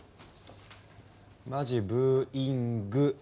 まじブーイング。